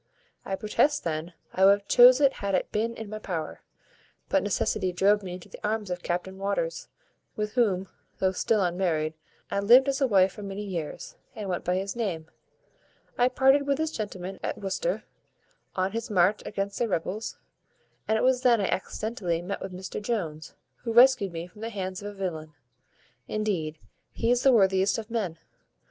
I protest, then, I would have chose it had it been in my power; but necessity drove me into the arms of Captain Waters, with whom, though still unmarried, I lived as a wife for many years, and went by his name. I parted with this gentleman at Worcester, on his march against the rebels, and it was then I accidentally met with Mr Jones, who rescued me from the hands of a villain. Indeed, he is the worthiest of men.